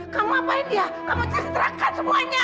kamu ngapain nia kamu ceritakan semuanya